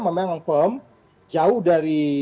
memang jauh dari